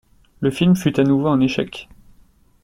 Le film fut à nouveau un échec.